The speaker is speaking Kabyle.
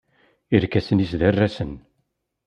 Irkasen-is d arasen.